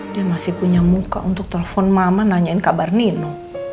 dia masih punya muka untuk telepon mama nanyain kabar nino